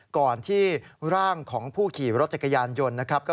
ก่อนที่ร่างของผู้ขี่รถจักรยานยนต์นะครับ